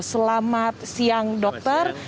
selamat siang dokter